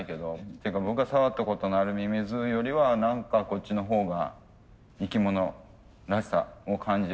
っていうか僕が触ったことのあるミミズよりは何かこっちのほうが生き物らしさを感じる気がしますけどね。